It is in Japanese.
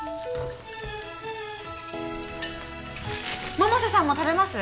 百瀬さんも食べます？